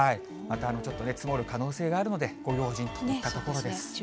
またちょっと積もる可能性もありますので、ご用心といったところです。